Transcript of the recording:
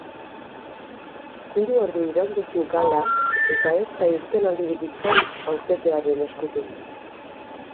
Hiru ordu iraun ditu galak eta ez da irtenaldirik izan aurkezlearen eskutik.